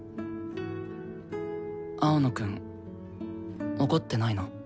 青野くん怒ってないの？